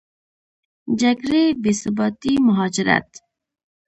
جګړې، بېثباتي، مهاجرت